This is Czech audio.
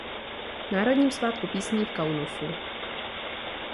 Národním svátku písní v Kaunasu.